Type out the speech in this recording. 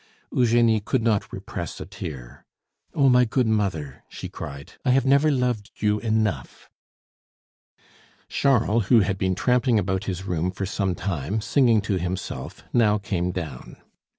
Eugenie could not repress a tear. "Oh, my good mother!" she cried, "I have never loved you enough." Charles, who had been tramping about his room for some time, singing to himself, now came down.